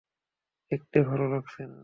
দেখতে ভালো লাগছে না!